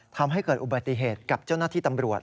ทำให้เกิดอุบัติเหตุกับเจ้าหน้าที่ตำรวจ